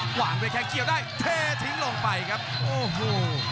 วางด้วยแค่งเกี่ยวได้เททิ้งลงไปครับโอ้โห